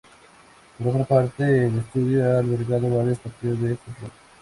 Por otra parte, el estadio ha albergado varios partidos de fútbol.